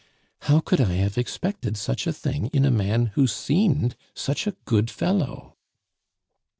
"How could I have expected such a thing in a man who seemed such a good fellow?"